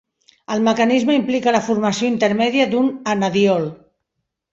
El mecanisme implica la formació intermèdia d'un "enediol".